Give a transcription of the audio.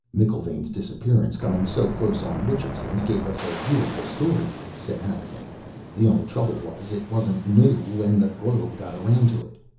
"McIlvaine's disappearance coming so close on Richardson's gave us a beautiful story," said Harrigan. "The only trouble was, it wasn't new when the Globe got around to it.